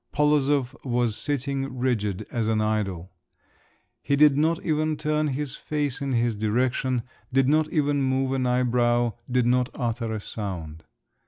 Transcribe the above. Polozov was sitting rigid as an idol; he did not even turn his face in his direction, did not even move an eyebrow, did not utter a sound.